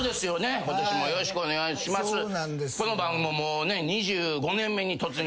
よろしくお願いします。